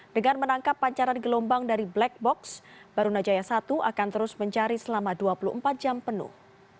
dengan menangkap pancaran gelombang dari black box barunajaya satu akan terus mencari selama dua puluh empat jam penuh